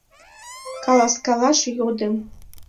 Каласкалаш йодым.